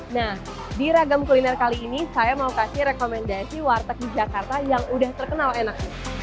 nah di ragam kuliner kali ini saya mau kasih rekomendasi warteg di jakarta yang udah terkenal enak